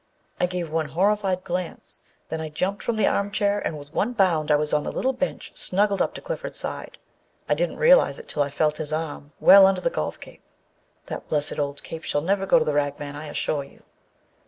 I gave one horrified glance, then I jumped from the armchair and with one bound I was on the little bench, snuggled up to Clifford's side. I didn't realize it till I felt his arm â well, under the golf cape ! (That blessed old cape shall never go to the ragman, I assure you.)